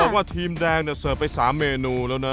ใช่มากกิน